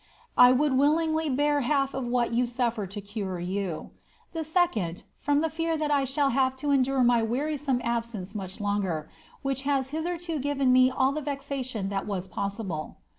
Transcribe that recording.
I would willingly bear half of what you sufler to cure you. Tlie second, from the fear that I shall have to endure my wearisome absence much longer, vhich has hitherto given me all the veration that was possible.